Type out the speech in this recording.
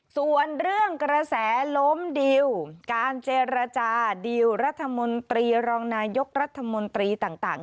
ส่วนเรื่องกระแสล้มดิวการเจรจาดีลรัฐมนตรีรองนายกรัฐมนตรีต่าง